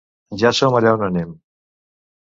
Ja som allà on anem.